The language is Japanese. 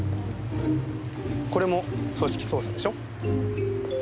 これも組織捜査でしょ？